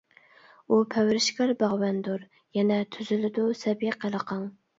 ئۇ پەرۋىشكار باغۋەندۇر يەنە، تۈزىلىدۇ سەبىي قىلىقىڭ.